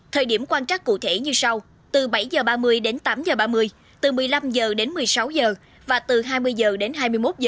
thời điểm quan trắc cụ thể như sau từ bảy h ba mươi đến tám h ba mươi từ một mươi năm h đến một mươi sáu h và từ hai mươi h đến hai mươi một h